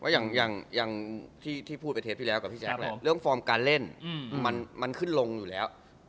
อย่างที่พูดไปเทปที่แล้วกับพี่แจ๊คเรื่องฟอร์มการเล่นมันขึ้นลงอยู่แล้ว